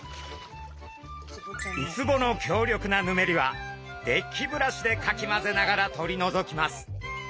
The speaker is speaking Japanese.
ウツボの強力なヌメリはデッキブラシでかき混ぜながら取り除きます。